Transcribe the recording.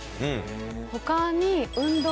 他に。